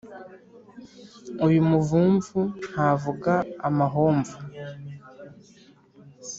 uyu muvumvu ntavuga amahomvo